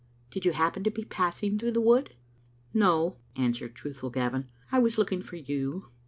Did you happen to be pass ing through the wood?" ^ "No," answered truthful Gavin, "I was looking for you.